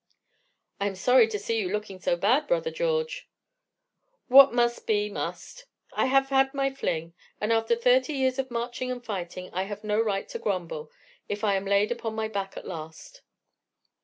"I am sorry to see you looking so bad, brother George." "What must be must. I have had my fling; and after thirty years of marching and fighting, I have no right to grumble if I am laid upon my back at last."